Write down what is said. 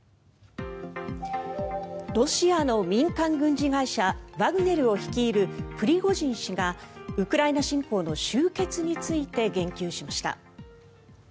ロシアの民間軍事会社ワグネルを率いるプリゴジン氏がウクライナ侵攻の終結について言及しました。